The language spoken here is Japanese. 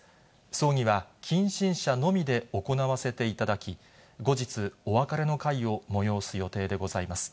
葬儀は近親者のみで行わせていただき、後日、お別れの会を催す予定でございます。